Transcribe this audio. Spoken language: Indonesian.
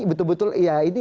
betul betul ya ini